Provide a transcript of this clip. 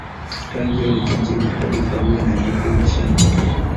Rangi yao ni kijivu hadi kahawia na nyeupe chini.